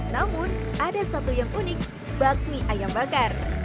namun ada satu yang unik bakmi ayam bakar